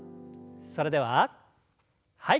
それでははい。